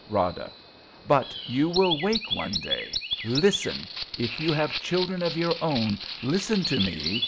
Rada. But you will wake one day. Listen ! If you have children of your own, Listen to me